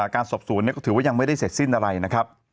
การสอบสวนก็ถือว่ายังไม่ได้เสร็จสิ้นอะไรนะครับ